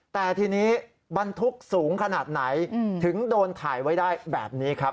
แต่ทีนี้บรรทุกสูงขนาดไหนถึงโดนถ่ายไว้ได้แบบนี้ครับ